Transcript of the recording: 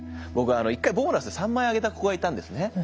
僕１回ボーナスで３万円あげた子がいたんですね。